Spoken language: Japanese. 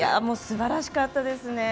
すばらしかったですね。